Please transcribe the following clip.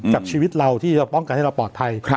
กับชีวิตเราที่จะป้องกันให้เราปลอดภัย